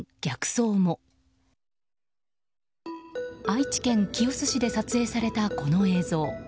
愛知県清須市で撮影されたこの映像。